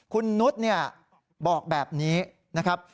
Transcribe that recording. คุณนุษย์บอกแบบนี้นะครับ